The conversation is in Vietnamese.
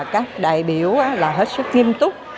các đại biểu là hết sức nghiêm túc